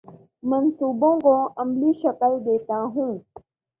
منصوبوں کو عملی شکل دیتا ہوں